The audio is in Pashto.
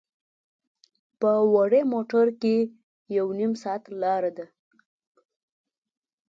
په وړې موټر کې یو نیم ساعت لاره ده.